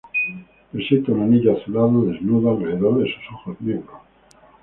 Presenta un anillo azulado desnudo alrededor de sus ojos negros.